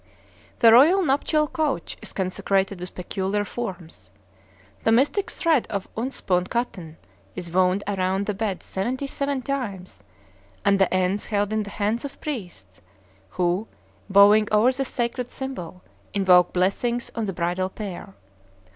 The royal nuptial couch is consecrated with peculiar forms. The mystic thread of unspun cotton is wound around the bed seventy seven times, and the ends held in the hands of priests, who, bowing over the sacred symbol, invoke blessings on the bridal pair.